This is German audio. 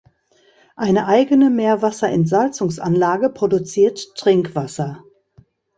Eine eigene Meerwasserentsalzungsanlage produziert Trinkwasser.